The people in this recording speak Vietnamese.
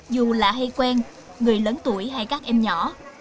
dù là hay quen người lớn tuổi hay các em nhỏ